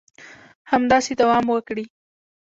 همداسې دوام وکړي